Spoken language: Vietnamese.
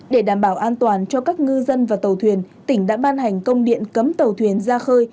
để đảm bảo an toàn cho các ngư dân và tàu thuyền tỉnh đã ban hành công điện cấm tàu thuyền ra khơi